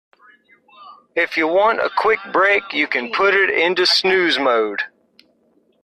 If you want a quick break you can put it into snooze mode.